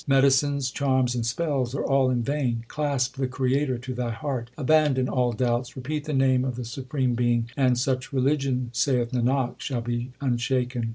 Medicines, charms, and spells are all in vain : Clasp the Creator to thy heart. Abandon all doubts, repeat the name of the Supreme Being ; And such religion, saith Nanak, shall be unshaken.